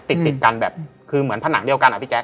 ติดติดกันแบบคือเหมือนผนังเดียวกันอะพี่แจ๊